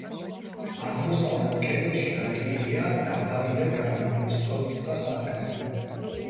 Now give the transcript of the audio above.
აღმოსავლეთ კედელში გაჭრილია დაბალი და განიერი, სწორკუთხა სარკმელი.